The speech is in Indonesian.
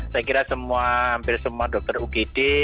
saya kira hampir semua dokter ugd